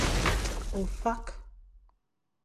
Ofak.